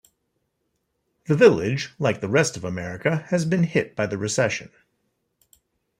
The village, like the rest of America has been hit by the recession.